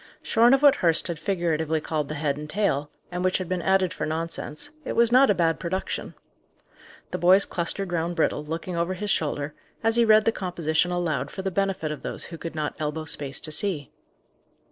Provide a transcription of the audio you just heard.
Shorn of what Hurst had figuratively called the head and tail, and which had been added for nonsense, it was not a bad production. The boys clustered round Brittle, looking over his shoulder, as he read the composition aloud for the benefit of those who could not elbow space to see.